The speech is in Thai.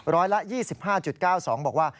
ร้อยละ๒๕๙๒บอกว่า